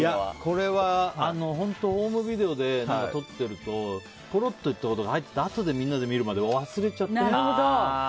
これはホームビデオで撮ってるとぽろっと言ったことが入ってて後でみんなで見る時まで忘れちゃってね。